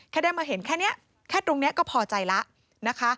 แค่ได้มาเห็นแค่นี้แค่ตรงนี้ก็พอใจแล้วนะคะ